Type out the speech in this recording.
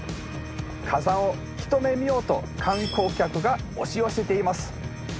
火山をひと目見ようと観光客が押し寄せています。